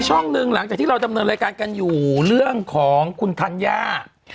ช่องหนึ่งหลังจากที่เราดำเนินรายการกันอยู่เรื่องของคุณธัญญา